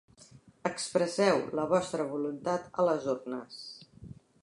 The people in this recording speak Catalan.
Expresseu la vostra voluntat a les urnes.